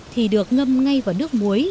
thì được ngâm ngay vào nước muối